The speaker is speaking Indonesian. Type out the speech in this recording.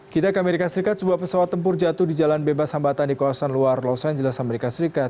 kita ke amerika serikat sebuah pesawat tempur jatuh di jalan bebas hambatan di kawasan luar los angeles amerika serikat